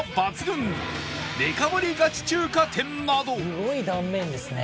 すごい断面ですね